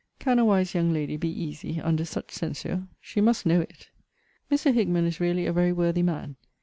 Can a wise young lady be easy under such censure? She must know it. Mr. Hickman is really a very worthy man.